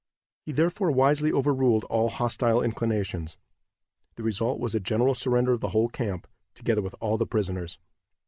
He therefore wisely overruled all hostile inclinations. The result was a general surrender of the whole camp, together with all the prisoners.